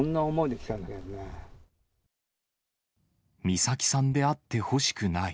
美咲さんであってほしくない。